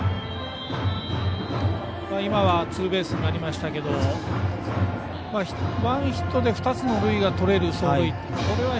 今はツーベースになりましたがワンヒットで２つの塁がとれる走塁